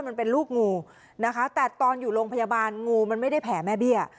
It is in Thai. มันเป็นลูกงูนะคะแต่ตอนอยู่โรงพยาบาลงูมันไม่ได้แผลแม่เบี้ย